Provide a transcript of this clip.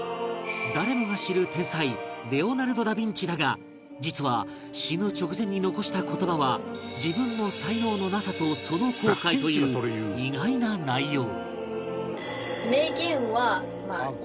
誰もが知る天才レオナルド・ダ・ヴィンチだが実は死ぬ直前に残した言葉は自分の才能のなさとその後悔という意外な内容